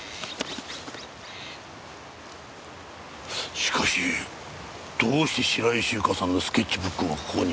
しかしどうして白石ゆかさんのスケッチブックがここに？